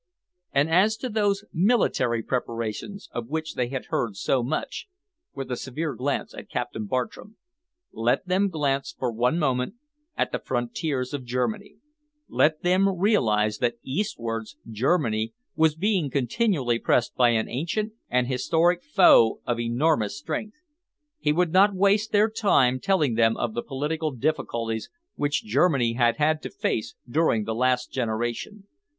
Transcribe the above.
And as to those military preparations of which they had heard so much (with a severe glance at Captain Bartram), let them glance for one moment at the frontiers of Germany, let them realise that eastwards Germany was being continually pressed by an ancient and historic foe of enormous strength. He would not waste their time telling them of the political difficulties which Germany had had to face during the last generation.